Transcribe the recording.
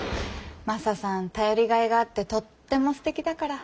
マサさん頼りがいがあってとってもすてきだから。